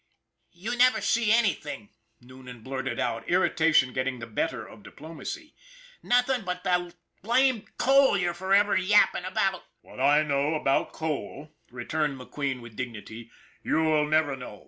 " You never see anything," Noonan blurted out, irritation getting the better of diplomacy. " Nothing but the blamed coal you're forever yapping about." " What I know about coal," returned McQueen with dignity, "you'll never know.